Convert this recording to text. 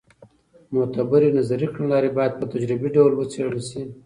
معتبرې نظري کړنلارې باید په تجربي ډول وڅېړل سي.